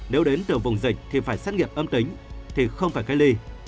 nếu đến từ vùng dịch thì phải xét nghiệm âm tính thì không phải cách ly